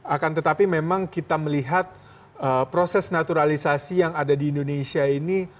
akan tetapi memang kita melihat proses naturalisasi yang ada di indonesia ini